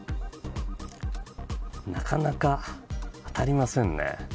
なかなか当たりませんね。